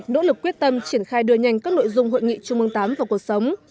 nỗ lực quyết tâm triển khai đưa nhanh các nội dung hội nghị trung mương tám vào cuộc sống